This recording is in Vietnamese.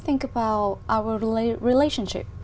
những nơi mà ông ấy